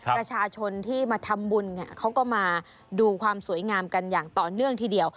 ประชาชนที่มาทำบุญเนี่ยเขาก็มาดูความสวยงามกันอย่างต่อเนื่องทีเดียว